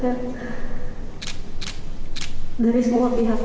terutama dari orang orang di sana